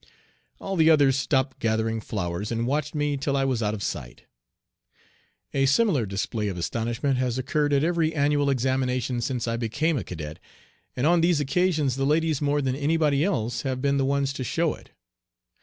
All the others stopped gathering flowers, and watched me till I was out of sight. A similar display of astonishment has occurred at every annual examination since I became a cadet, and on these occasions the ladies more than anybody else have been the ones to show it.